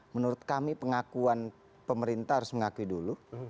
menurut kami pengakuan pemerintah harus mengakui dulu